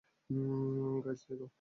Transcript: Guys, দেখো!